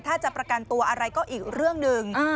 ถ้าจะประกันตัวอะไรก็อีกเรื่องหนึ่ง